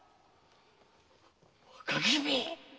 若君！